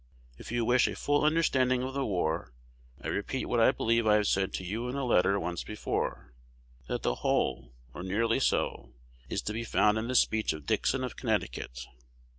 If you wish a full understanding of the war, I repeat what I believe I said to you in a letter once before, that the whole, or nearly so, is to be found in the speech of Dixon of Connecticut.